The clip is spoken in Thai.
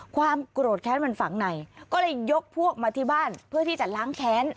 ความโกรธแค้นมันฝังในก็เลยยกพวกมาที่บ้านเพื่อที่จะล้างแค้น